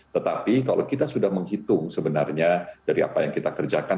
tetapi kalau kita sudah menghitung sebenarnya dari apa yang kita kerjakan